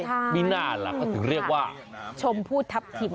ไม่นานหลังก็ถึงเรียกว่าชมผู้ทับทิม